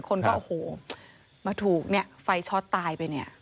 คนก็โอ้โหมาถูกเนี่ยไฟช็อตตายไปเนี่ย